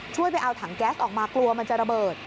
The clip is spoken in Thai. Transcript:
ไปเอาถังแก๊สออกมากลัวมันจะระเบิด